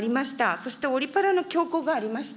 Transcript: そしてオリパラの強行がありました。